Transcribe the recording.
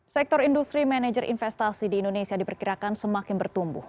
sektor industri manajer investasi di indonesia diperkirakan semakin bertumbuh